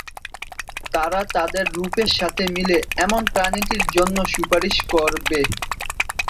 তারা তাদের রূপের সাথে মিলে এমন প্রাণীটির জন্য সুপারিশ করবে।